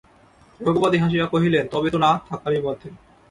রঘুপতি হাসিয়া কহিলেন, তবে তো না থাকারই মধ্যে।